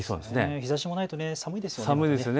日ざしもないと寒いですね。